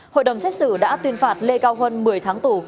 hội đồng xét xử đã tuyên phạt lê cao huân một mươi tháng tù